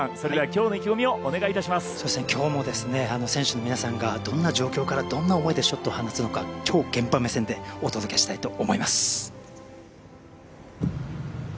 きょうも選手の皆さんがどんな状況からどんな思いでショットを放つのか超現場目線でお届けしたいと思います。